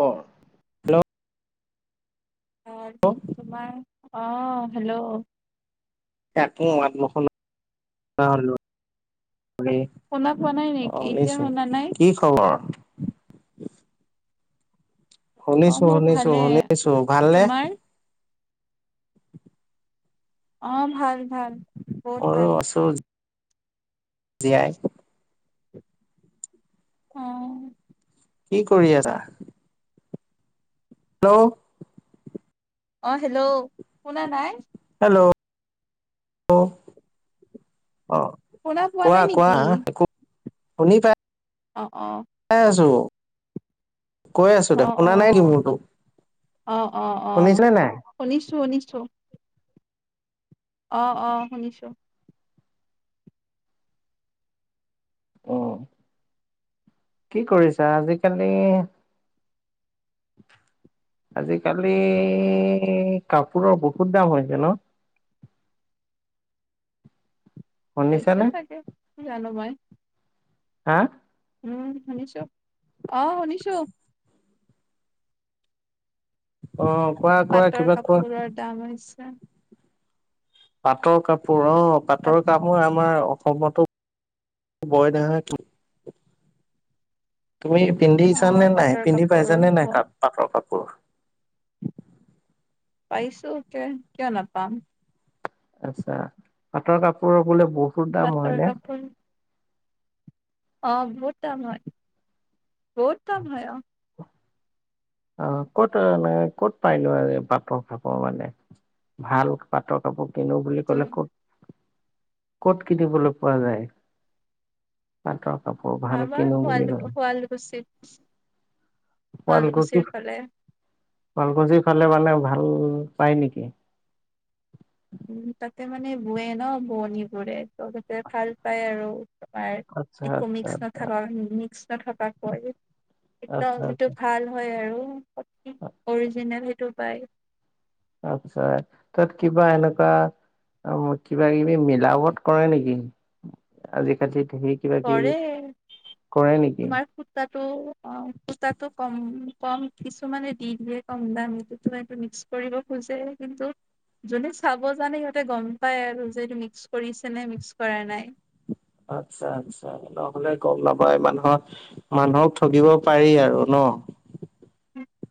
ক'ৰ? [inaudible] [unintelligible] তোমাৰ, অ' হেল্ল'। তাকে [unintelligible] [unintelligible] শুনা পোৱা নাই অ' নেকি? এতিয়া শুনিছোঁ। শুনা নাই? কি খবৰ? অ' শুনিছোঁ, মোৰ শুনিছোঁ, ভালে। শুনিছোঁ। ভালনে? তোমাৰ? অ' ভাল ভাল। বহুত ভাল। মইও আছোঁ জীয়াই। অ'। কি কৰি আছা? হেল্ল'। অ' হেল্ল' শুনা নাই? হেল্ল' [unintelligible] অ'। শুনা পোৱা কোৱা নাই কোৱা, নেকি? একো শুনি পাই অ', অ'। চাই আছোঁ। কৈ আছোঁ দে, অ' শুনা নাই কি অ' মোৰটো? শুনিছনে নাই? শুনিছোঁ শুনিছোঁ। অ', অ' শুনিছোঁ। অ'। কি কৰিছা? আজিকালি আজিকালি কাপোৰৰ বহুত দাম হৈছে ন'? হৈছে শুনিছানে চাগে, কি জানো মই। হা? উম, শুনিছোঁ। অ' শুনিছোঁ। অ' কোৱা কোৱা, কিবা কোৱা? তামৰ ইচ্চা। পাটৰ কাপোৰ, অ' পাট পাটৰ কাপ মই আমাৰ অসমতো বয় নহয় তুমি পিন্ধিছানে অ' নাই, পাটৰ পিন্ধি কাপোৰ পাইছানে নাই কা-পাটৰ কাপোৰ? পাইছোঁ কে কিয় নাপাম। আচ্ছা, পাটৰ কাপোৰৰ বোলে বহু পাটৰ কাপোৰ। অ বহুত দাম হয়, বহুত দাম হয় অ। অ ক'ত ক'ত পাইনো আৰু পাটৰ কাপোৰ মানে। ভাল পাটৰ কাপোৰ কিনো- বুলি ক'লে যোন কত, কত কিনিবলৈ পোৱা যায়? পাটৰ কাপোৰ ভাল আমাৰ কিনো শুৱাল বুলি ক'লে? শুৱালকুছিত। শুৱালকুছি, শুৱালকুছিৰ ফালে শুৱালকুছি ফালে মানে ভাল পায় নেকি? উম তাতে মানে বৱে ন বোৱনীবোৰে ত তাতে ভাল পায় আৰু। আচ্ছা, একো আচ্ছা, মিক্স আচ্ছা, নথকা মিক্স নথকাকৈ। আচ্ছা, যিটো আচ্ছা। ভাল হয় আৰু অৰিজিনেল সেইটো পায়। আচ্ছা তাত কিবা এনেকুৱা- আৰু কিবা কিবি মিলাপত কৰে নেকি? আজিকালিত সেই- কৰে, তোমাৰ সূতাটো অ সূতাটো- কম কম কিছুমানে দি দিয়ে কম দাম এইটোতো এইটো মিক্স কৰিব খোজে কিন্তু- যোনে চাব জানে সিহঁতে গম পায় আৰু যে এইটো মিক্স কৰিছে নে মিক্স কৰা নাই। আচ্ছা আচ্ছা। নহলে গম নাপায় মানুহৰ, মানুহক ঠগিব পাৰি আৰু ন।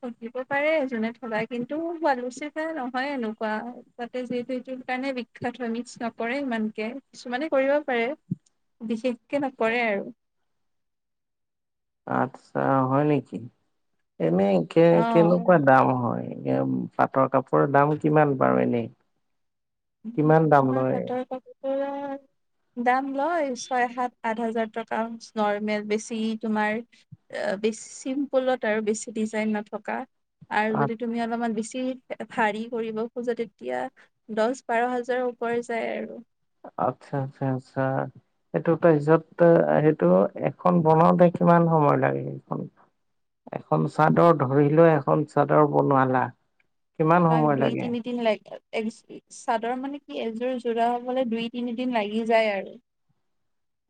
ঠগিব পাৰে এজনে ঠগায় কিন্তু শুৱালকুছিৰ পৰা নহয় এনেকুৱা। তাতে যিহেতু সেইটোৰ কাৰণে বিখ্যাত হয় মিক্স নকৰে ইমানকে কিছুমানে কৰিব পাৰে। বিশেষকে নকৰে আৰু। আচ্ছা হয় নেকি, এনেই কেই অ কেনেকুৱা - দাম হয় কিন্তু পাটৰ কাপোৰৰ দাম কিমান বাৰু এনেই। কিমান দাম তোমাৰ লয়? পাটৰ কাপোৰৰ দাম লয় ছয় সাত আঠ হাজাৰ টকা নৰৰ্মেল বেছি তোমাৰ- আ বেছি চিম্পুলত আৰু বেছি ডিজাইন নথকা। আৰু যদি তুমি অলপমান বেছি ভাৰী কৰিব খোজা তেতিয়া দহ- বাৰ হাজাৰৰ ওপৰে যায় আৰু। আচ্ছা আচ্ছা আছা। সেইটো তাৰপিছত সেইটো এখন বনাওঁতে কিমান সময় লাগে সেইখন। এখন চাদৰ ধৰি লৈ এখন চাদৰ বনোৱালা। কিমান পাক সময় দুই লাগে? তিনি দিন লাগে। চাদৰ মানে কি এযোৰ যোৰা হ'বলৈ দুই তিনিদিন লাগি যায় আৰু।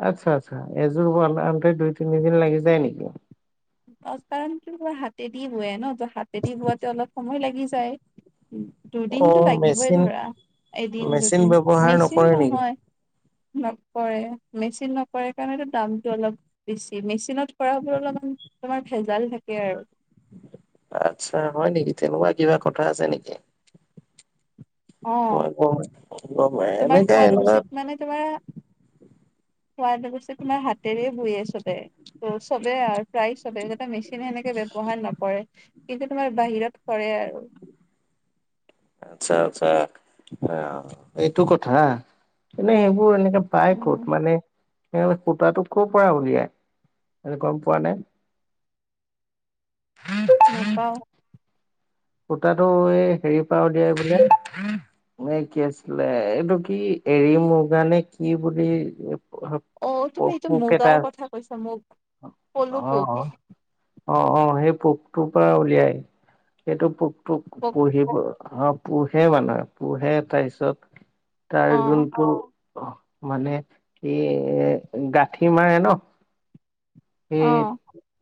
আচ্ছা আচ্ছা এযোৰ বনাওতে দুই তিনিদিন লাগি যায় নেকি? কাৰণটো হল হাতেদি বোৱে ন তো হাতেদি বোৱাতে অলপ সময় লাগি যায়। অ দুদিনটো লাগিবই মেচিন ধৰা এদিন মেচিন দুদিন ব্যৱহাৰ মেচিন নকৰে নেকি? নহয়। নকৰে মেচিন নকৰে কাৰণেটো দামটো অলপ- বেছি মেচিনত কৰাবোৰ অলপমান তোমাৰ ভেজাল থাকে আৰু। আচ্ছা হয় নেকি তেনেকোৱা কিবা কথা আছে নেকি? অ, মই গম গম তোমাৰ এনেকে এনেকুৱা শুৱালকুছিত মানে তোমাৰ- শুৱালকুছিত তোমাৰ হাতেৰে বোৱে চবে ত' চবে আৰু- প্ৰায় চবে যাতে মেচিনে সেনেকে ব্যৱহাৰ নকৰে কিন্তু তোমাৰ বাহিৰত কৰে আৰু। আচ্ছা আচ্ছা, আ এইটো কথা এনেই সেইবোৰ এনেকে- পাই অ ক'ত মানে, সেই সূতাটো কৰ পৰা উলিয়াই গম পোৱা নাই? নাপাওঁ। সূতাটো এই হেৰি পৰা উলিয়ায় বোলে। মানে কি আছিলে এইটো কি এৰী মুগা নে কি বুলি অ তুমি এইটো পোক এটা মুগাৰ আছে। কথা কৈছা মুগ পলু অ পোক অ অ সেই পোকটোৰ পৰা উলিয়াই। সেইটো পোকটোক পোক পুহিব অ পোহে মানুহে পোহে। তাৰ পিছত তাৰ অ যোনটো মানে কি এ গাঁঠি মাৰে ন অ সেই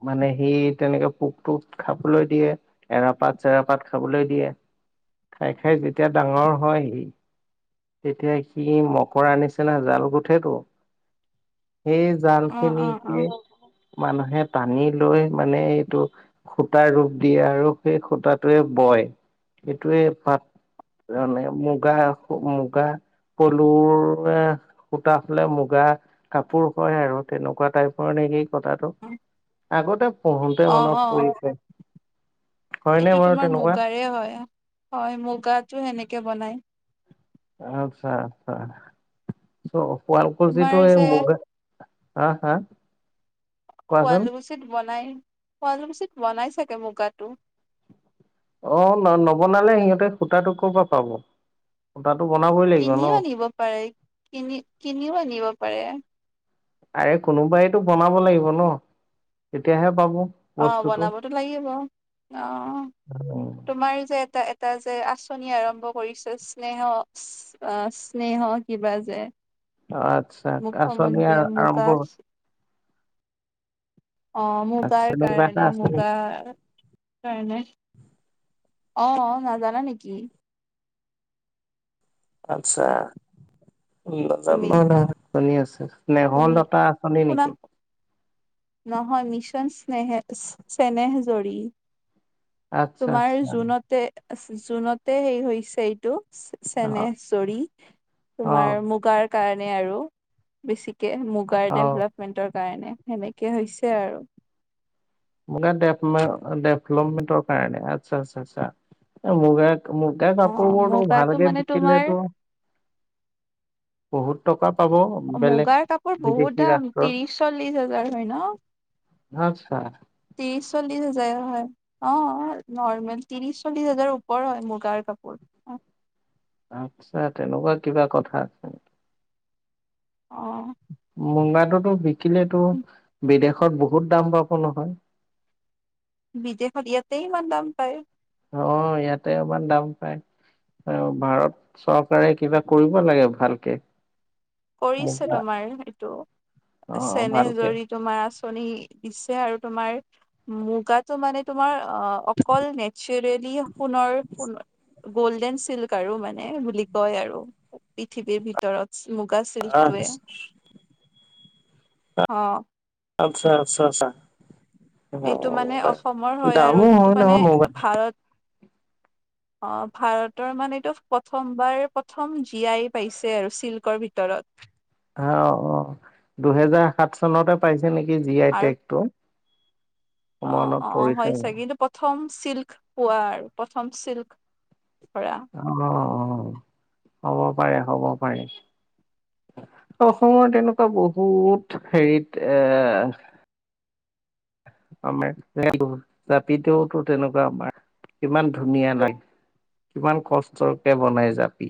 মানে সেই তেনেকে পোকটোক খাবলৈ দিয়ে। এৰা-পাত চেৰা-পাত খাবলৈ দিয়ে। খাই খাই যেতিয়া ডাঙৰ হয় সি তেতিয়া সি মকৰা নিচিনা জাল গোঠেতো সেই জাল অ অ অ খিনিকে মানুহে টানি লৈ মানে এইটো সূতাৰ ৰূপ দিয়ে আৰু সেই সূতাটোৱে বয়। সেইটোৱে পাত যানে মুগা সূ মুগা পলুৰ সূতা হলে মুগা কাপোৰ হয় আৰু তেনেকুৱা টাইপৰ নেকি? কথাটো আগতে পঢ়োতে অ অ মনত অ পৰিছে। হয়নে এইটো বাৰু তোমাৰ তেনেকুৱা মুগাৰে হয়। হয় মুগাটো সেনেকে বনাই। আচ্ছা আচ্ছা চ তোমাৰ শুৱালকুছিটো এই যে মুগা হা হা কোৱাচোন শুৱালকুছিত বনাই। শুৱালুকুছিত বনাই চাগে মুগাটো। অ ন নবনালে সিহঁতে সূতাটো কৰ পৰা পাব। সূতাটো বনাবই। লাগিব ন কিনিও আনিব পাৰে কিনি কিনিও আনিব পাৰে। আৰে কোনোবাইটো বনাব লাগিব ন তেতিয়াহে পাব। অ বস্তুটো বনাবতো লাগিব। অ উম, তোমাৰ যে এটা এটা যে আঁচনি আৰম্ভ কৰিছে স্নেহ আহ স্নেহ কিবা যে আচ্ছা আঁচনি মুখমন্ত্ৰীয়ে আ- আৰম্ভ মূগা অ আচ্ছা মুগাৰ এনেকুৱা এটা কাৰণে আছে নেকি মুগাৰ। নাই নাই। অ নাজানা নেকি? আচ্ছা। তুমি নাজানো ন নহয় শুনি আছোঁ। মেহল তুমি লতা আঁচনি শুনা নেকি? নহয় মিছন স্নেহে চ্নেহ জৰী। আচ্ছা তোমাৰ আচ্ছা জুনতে জুনতে হেৰি হৈছে এইটো। অ চেনেহ চৰি অ তোমাৰ মুগাৰ কাৰণে আৰু বেছিকে মুগাৰ অ ডেভলপমেণ্টৰ কাৰণে সেনেকে হৈছে আৰু। মুগা ডেভমে ডেভলপমেন্টৰ কাৰণে আচ্ছা আচ্ছা আচ্ছা। এ মুগা মুগ মুগাৰ অ কাপোৰবোৰতো মুগাটো ভালকে মানে তোমাৰ বিকিলেতো বহুত টকা পাব বেলেগ মুগাৰ কাপোৰ বহুত বিদেশী দাম ৰাষ্ট্ৰত। ত্ৰিশ চল্লিশ হাজাৰ হয় ন আচ্ছা। ত্ৰিশ চল্লিশ হাজাৰ হয়। অ নৰ্মেল ত্ৰিশ চল্লিশ হাজাৰ ওপৰ হয় মুগাৰ কাপোৰ। আচ্ছা তেনেকুৱা কিবা কথা আছে নেকি? অ। মুগাটোতো বিকিলেতো বিদেশত বহুত দাম পাব নহয়। বিদেশত ইয়াতে ইমান দাম পায়। অ ইয়াতে ইমান দাম পায়। আৰু ভাৰত চৰকাৰে কিবা কৰিব লাগে ভালকে। কৰিছে মুগা তোমাৰ এইটো অ' চেনেহ ভালকে। জৰি। তোমাৰ আচনি দিছে আৰু তোমাৰ মুগাটো মানে তোমাৰ অ অকল নেচাৰেলি সোণৰ সোণ গল্ডেন চিল্কাৰো মানে বুলি কয় আৰু পৃথিৱীৰ ভিতৰত চি মুগা চিল্কটোৱে। আচ্ছা অঁ। আচ্ছা আচ্ছা আচ্ছা, অ এইটো মানে মুগা অসমৰ হয় আৰু দামো এইটো হয় মানে নহয় মুগা ভাৰত [unintelligible] অ ভাৰতৰ মানেটো প্ৰথমবাৰ প্ৰথম জীয়াই পাইছে আৰু চিল্কৰ ভিতৰত। হা অ, দুহেজাৰ সাত চনতে পাইছে নেকি জি আই আৰু টেগটো? অ অলপ হয় পৰিছে মোৰ। চাগে কিন্তু প্ৰথম চিল্ক পোৱা আৰু প্ৰথম চিল্ক কৰা। অ অ, হ'ব পাৰে, হ'ব পাৰে। অসমৰ তেনেকুৱা বহুত হেৰিত এ আমাৰ [inaudible] জাপিতো টো তেনেকুৱা আমাৰ ইমান ধুনীয়া লয়। কিমান কষ্টকে বনাই জাপি?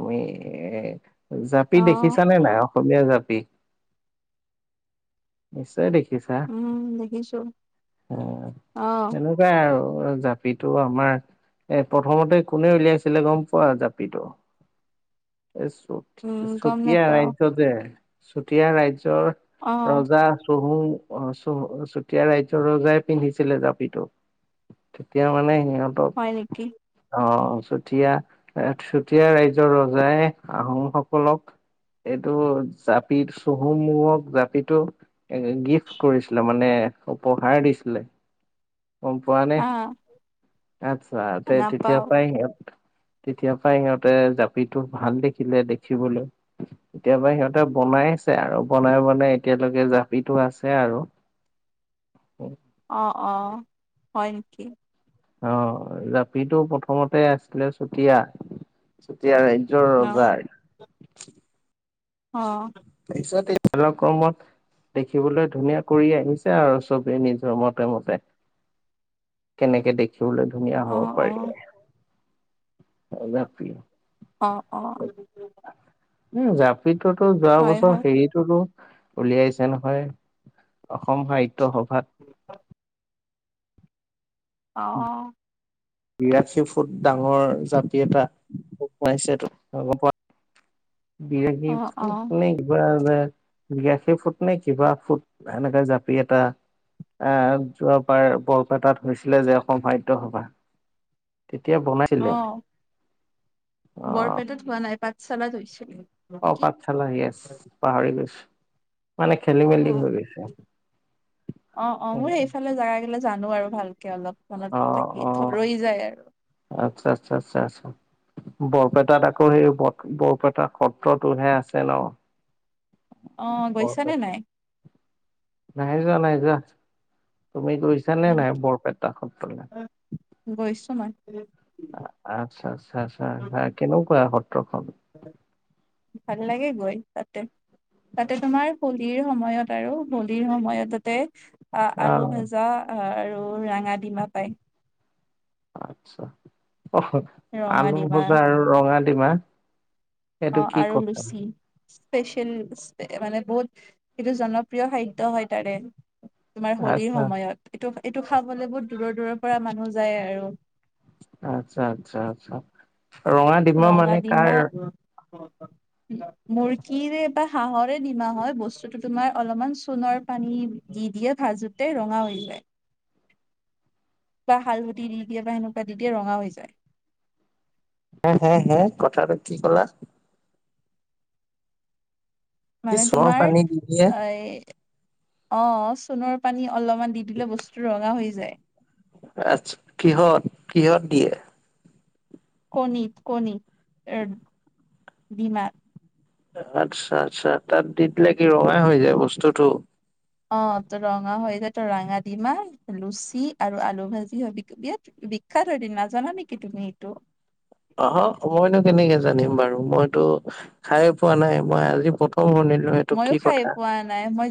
তুমি এ জাপি অ দেখিছানে নাই অসমীয়া জাপি? নিশ্চয় দেখিছা, উম দেখিছো ওম অহ তেনো পুৰা আৰু জাপিতো আমাৰ এ প্ৰথমতে কোনে উলিয়াইছিলে গম পোৱা জাপিটো? এ চ উম গম চুতীয়া নোপাও ৰাজ্য যে চুতীয়া ৰাজ্যৰ অহ ৰজা চুহু অ চুহু চুতীয়া ৰাজ্যৰ ৰজাই পিন্ধিছিলে জাপিটো। চুতিয়া মানে সিহঁত হয় নেকি? অ চুতীয়া এ চুতীয়া ৰাজ্যৰ ৰজাই আহোমসকলক এইটো জাপি, চুহুংমুঙক জাপিটো এ গিফ্ট কৰিছিলে মানে উপহাৰ দিছিলে। গম পোৱা নে? আহ আচ্ছা তে তেতিয়া নাপাও পাই তেতিয়াপৰাই সিহঁতে জাপিটো ভাল দেখিলে দেখিবলে। কেতিয়াবাই সিহঁতে বনাইছে আৰু বনাই বনাই এতিয়ালৈকে জাপিটো আছে আৰু। অঁ অঁ, হয় নেকি? অ জাপিটো প্ৰথমতে আছিলে চুতিয়া চুতিয়া ৰাজ্যৰ অ ৰজাই অ। পিছতে এই ধৰি লওক গৰমত দেখিবলৈ ধুনীয়া কৰি আহিছে আৰু চবেই নিজৰ মতে -মতে। কেনেকে দেখিবলৈ ধুনীয়া অ হব পাৰি, এ জাপি। অ অ। উম জাপিটোতো যোৱা হয় বছৰ হয় হেৰিটোতো উলিয়াইছে নহয়, অসম সাহিত্য সভাত পাও বিৰাশী ফুট ডাঙৰ জাপি এটা পোক সোমাইছেটো [inaudible] বিৰাশী অ অ ফুট নে কিবা যে বিৰাখী ফুট নে কিবা ফুট এনেকে জাপি এটা আহ যোৱাবাৰ বৰপেটাত হৈছিলে যে অসম সাহিত্য সভা। তেতিয়া বনাই অঁ বৰপেটাত হোৱা নাই পাঠশালাত হৈছিল। অঁ পাঠশালা য়েচ পাহৰি গৈছো মানে, খেলিম অঁ অঁ অঁ মোৰ সেইফালে জাগা গিলা জানো আৰু ভালকে অলপ মনত অ', থাকি অ', ৰৈ যায় আৰু। আচ্ছা আচ্ছা আচ্ছা আচ্ছা আছোঁ। বৰপেটাত আকৌ সেই বৰপেটা সত্ৰতোহে আছে ন। অ গৈছানে নাই নাই যোৱা নাই যোৱা। তুমি গৈছা নে হয় নাই বৰপেটা সত্ৰলে? গৈছোঁ মই। আচ্ছা আচ্ছা আছা কেনেকুৱা সত্ৰ খন? ভাল লাগে গৈ তাতে। তাতে তোমাৰ হলীৰ সময়ত আৰু হলীৰ সময়ত তাতে। অ আলু ভাজা আৰু ৰঙা ডিমা পায়। আচ্ছা অ ৰঙা আলু ডিমা ভজা আৰু ৰঙাডিমা। অঁ আৰু লুচি। স্পেচিয়েল ডিচ একেবাৰে বহুত সেইটো জনপ্ৰিয় খাদ্য হয় তাৰে। তোমাৰ হোলীৰ আচ্ছা, সময়ত এইটো এইটো খাবলে বহুত দূৰৰ দূৰৰ পৰা মানুহ যায় আৰু। আচ্ছা আচ্ছা আচ্ছা, ৰঙা ডিমা মানে কাৰ অঁ হয়। মুৰ্গীৰে বা হাঁহৰে ডিমা হয়, বস্তুতটো তোমাৰ অলপমান চোণৰ পানী দি দিয়ে ভাজোতে ৰঙা হৈ যায়। বা হালধি দি দিয়ে বা সেনেকুৱা দি দিয়ে, ৰঙা হৈ যায়। হুম হুম হুম কথাটো কি কলা? কি মানে চৰ তোমাৰ পানী দি দিয়ে? এই অঁ, চোণৰ পানী অলপমান দি দিলে বস্তু ৰঙা হৈ যায়। আচ্ছা কিহত কিহত দিয়ে? কণীত কণী এগ দিমাত। আচ্ছা আচ্ছা তাত দি দিলে কি ৰঙা হৈ যায় বস্তুতটো। অঁ ত ৰঙা হৈ যায় ত ৰঙাদিমা, লুচি আৰু আলু ভাজি হয় বিকেত। বিখ্যাত হয় ডিমা নাজানা নেকি তুমি এইটো? অহুঁ, মইনো কেনেকে জানিম বাৰু মইতো খাইয়ে পোৱা নাই মই আজি প্ৰথম শুনি নিলো এইটো মইয়ো কি খাই কথা। পোৱা নাই মই